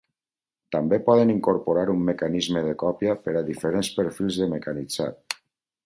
També poden incorporar un mecanisme de còpia per a diferents perfils de mecanitzat.